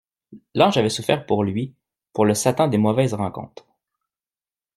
L'ange avait souffert pour lui, pour le Satan des mauvaises rencontres.